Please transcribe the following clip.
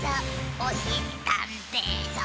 おしりたんていさん